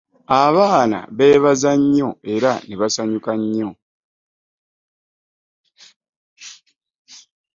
Abaana bebaza nnyo era nebasanyuka bulala.